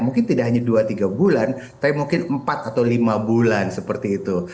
mungkin tidak hanya dua tiga bulan tapi mungkin empat atau lima bulan seperti itu